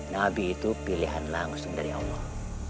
nabi itu pilihan langsung dari allah